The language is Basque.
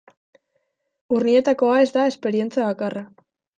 Urnietakoa ez da esperientzia bakarra.